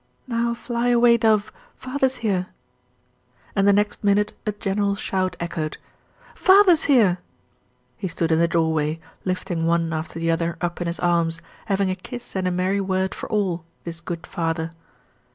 Now, fly away, dove! Father's here." And the next minute a general shout echoed, "Father's here!" He stood in the doorway, lifting one after the other up in his arms; having a kiss and a merry word for all this good father!